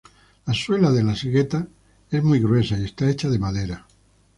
La suela de las "geta" es muy gruesa y está hecha de madera.